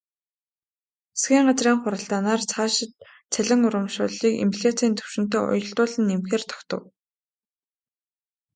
Засгийн газрын хуралдаанаар цаашид цалин урамшууллыг инфляцын түвшинтэй уялдуулан нэмэхээр тогтов.